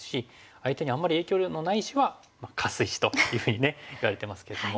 相手にあんまり影響力のない石はカス石というふうにねいわれてますけども。